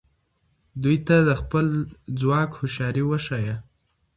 دوی ته د خپل ځواک هوښیاري وښایه.